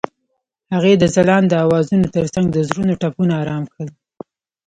هغې د ځلانده اوازونو ترڅنګ د زړونو ټپونه آرام کړل.